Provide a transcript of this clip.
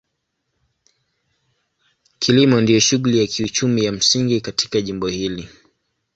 Kilimo ndio shughuli ya kiuchumi ya msingi katika jimbo hili.